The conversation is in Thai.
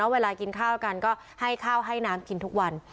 เวลากินข้าวกันก็ให้ข้าวให้น้ำกินทุกวัน